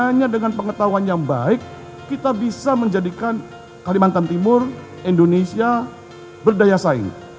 karena hanya dengan pengetahuan yang baik kita bisa menjadikan kalimantan timur indonesia berdaya saing